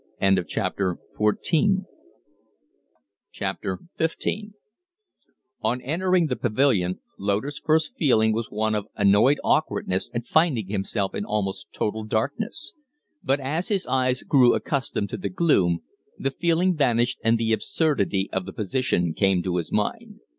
XV On entering the pavilion, Loder's first feeling was one of annoyed awkwardness at finding himself in almost total darkness. But as his eyes grew accustomed to the gloom, the feeling vanished and the absurdity of the position came to his mind.